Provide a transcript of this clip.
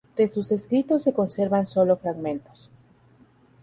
De sus escritos se conservan sólo fragmentos.